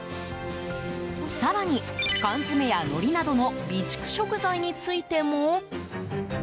更に缶詰や、のりなどの備蓄食材についても。